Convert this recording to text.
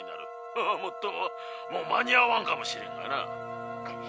もっとももう間に合わんかもしれんがな。